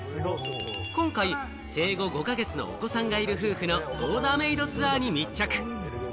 今回、生後５か月のお子さんがいる夫婦のオーダーメイドツアーに密着。